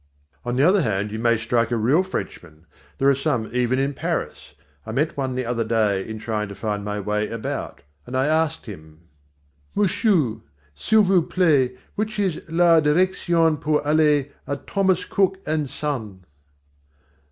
On the other hand, you may strike a real Frenchman there are some even in Paris. I met one the other day in trying to find my way about, and I asked him: "Musshoo, s'il vous plait, which is la direction pour aller à Thomas Cook & Son?"